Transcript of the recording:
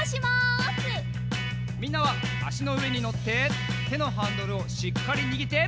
みんなはあしのうえにのっててのハンドルをしっかりにぎって。